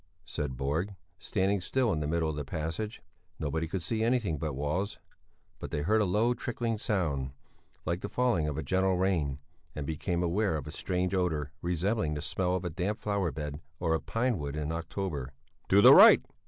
said Borg, standing still in the middle of the passage. Nobody could see anything but walls. But they heard a low trickling sound, like the falling of a gentle rain and became aware of a strange odour, resembling the smell of a damp flower bed or a pine wood in October. "To the right!"